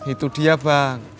itu dia bang